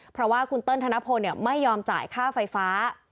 เพราะว่าคุณเติ้ลธนพลไม่ยอมจ่ายค่าไฟฟ้า